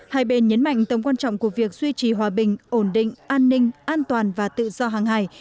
hai bên nhấn mạnh tầm quan trọng của việc duy trì hòa bình ổn định an ninh an toàn và tự do hàng hải